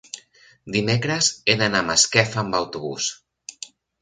dimecres he d'anar a Masquefa amb autobús.